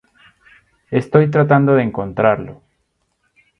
Estoy tratando de encontrarlo.